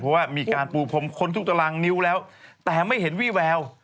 เพราะว่ามีการปูพรมค้นทุกตารางนิ้วแล้วแต่ไม่เห็นวี่แวว